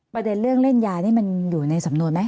ประเด็นเรื่องเล่นยานี่มันอยู่ในสำนวนไหม